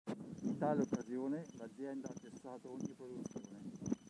In tale occasione, l`azienda ha cessato ogni produzione.